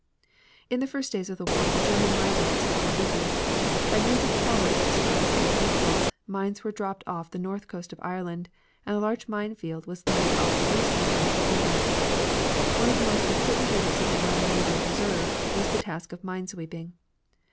In the first days of the war the German mine layers had been busy. By means of trawlers disguised as neutrals, mines were dropped off the north coast of Ireland, and a large mine field was laid off the eastern coast of England. One of the most important duties of the Royal Naval Reserve was the task of mine sweeping.